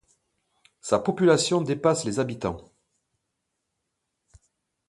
Sa population dépasse les habitants.